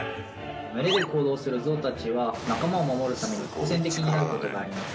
群れで行動するゾウたちは仲間を守るために好戦的になることがあります。